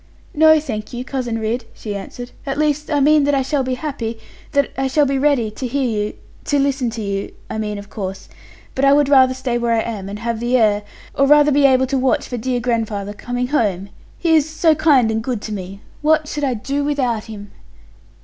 'No, thank you, Cousin Ridd,' she answered; 'at least I mean that I shall be happy that I shall be ready to hear you to listen to you, I mean of course. But I would rather stay where I am, and have the air or rather be able to watch for dear grandfather coming home. He is so kind and good to me. What should I do without him?'